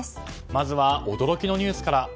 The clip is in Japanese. まずは、驚きのニュースから。